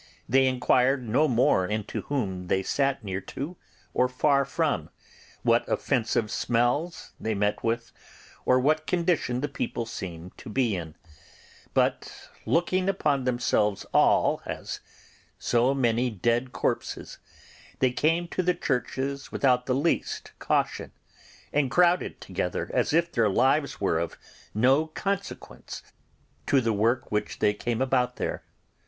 They inquired no more into whom they sat near to or far from, what offensive smells they met with, or what condition the people seemed to be in; but, looking upon themselves all as so many dead corpses, they came to the churches without the least caution, and crowded together as if their lives were of no consequence compared to the work which they came about there.